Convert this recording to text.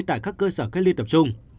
tại các cơ sở cách ly tập trung